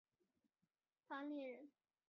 樊陵人。